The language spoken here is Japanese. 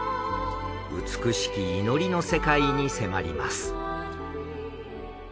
美しき祈りの世界に迫ります。